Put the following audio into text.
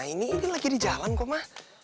ini lagi di jalan kok mas